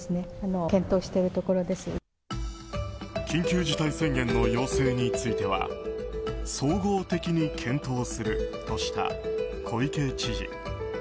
緊急事態宣言の要請については総合的に検討するとした小池知事。